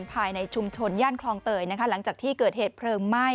ภายในชุมชนย่านคลองเตยนะคะหลังจากที่เกิดเหตุเพลิงไหม้